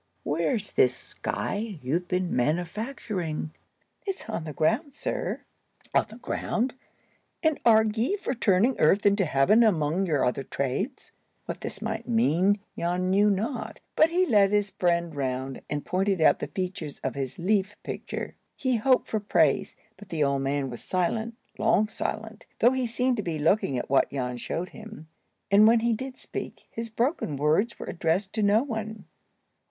"Where's this sky you've been manufacturing?" "It's on the ground, sir." "On the ground! And are ye for turning earth into heaven among your other trades?" What this might mean Jan knew not; but he led his friend round, and pointed out the features of his leaf picture. He hoped for praise, but the old man was silent,—long silent, though he seemed to be looking at what Jan showed him. And when he did speak, his broken words were addressed to no one.